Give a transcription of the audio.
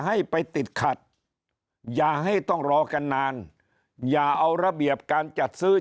ให้ไปติดขัดอย่าให้ต้องรอกันนานอย่าเอาระเบียบการจัดซื้อ